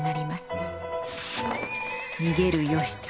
逃げる義経。